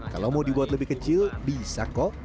kalau mau dibuat lebih kecil bisa kok